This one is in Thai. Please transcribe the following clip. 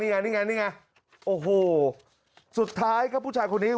นี่ไงนี่ไงนี่ไงโอ้โหสุดท้ายครับผู้ชายคนนี้